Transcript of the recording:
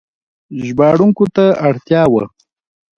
ژباړونکو ته اړتیا وه.